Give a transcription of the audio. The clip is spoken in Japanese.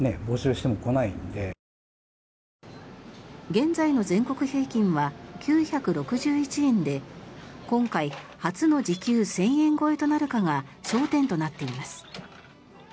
現在の全国平均は９６１円で今回、初の時給１０００円超えとなるかが焦点となっています。